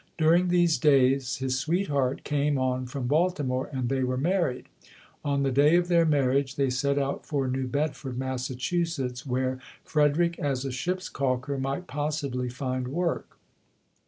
During these days his sweetheart came on from Baltimore and they were married. On the day of their mar riage they set out for New Bedford, Massachu setts, where Frederick as a ship's calker might possibly find work.